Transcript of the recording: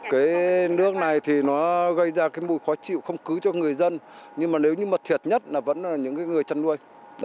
cái nước này thì nó gây ra cái mùi khó chịu không cứ cho người dân nhưng mà nếu như mà thiệt nhất là vẫn là những cái người chăn nuôi